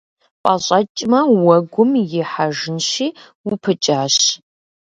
Пӏэщӏэкӏмэ, уэгум ихьэжынщи, упыкӏащ.